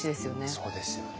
そうですよね。